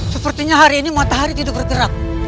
sepertinya hari ini matahari tidak bergerak